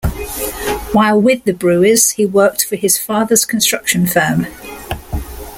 While with the Brewers, he worked for his father's construction firm.